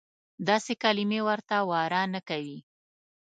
داسې کلیمې ورته واره نه کوي.